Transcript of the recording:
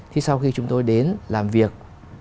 thì sau khi chúng tôi đến làm việc